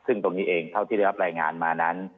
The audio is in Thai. ซึ่งตรงนี้เองเท่าที่ได้รับรายงานมานั้น